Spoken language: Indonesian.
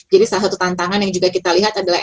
jadi salah satu tantangan yang juga kita lihat adalah